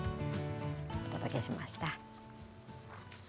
お届けしました。